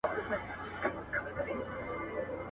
• د بل جنگ لوى اختر دئ.